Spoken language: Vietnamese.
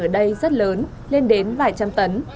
hành tây rất lớn lên đến vài trăm tấn